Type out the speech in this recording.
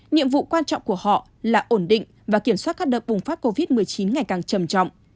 nhiệm vụ quan trọng của họ là ổn định và kiểm soát các đợt bùng phát covid một mươi chín ngày càng trầm trọng